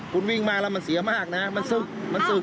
คุณวิ่งมาแล้วมันเสียมากนะมันศึกมันศึก